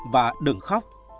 và đừng khóc